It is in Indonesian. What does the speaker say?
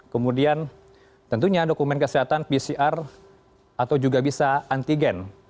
kemudian tentunya dokumen kesehatan pcr atau juga bisa antigen